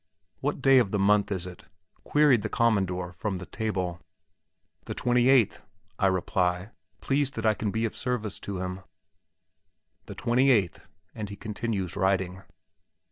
"What day of the month is it?" queried the "commandor" from the table. "The 28th," I reply, pleased that I can be of service to him, "the 28th," and he continues writing.